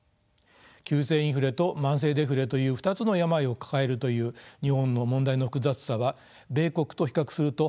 急性インフレと慢性デフレという２つの病を抱えるという日本の問題の複雑さは米国と比較するとはっきり見えてきます。